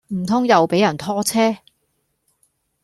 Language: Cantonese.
唔通又俾人拖車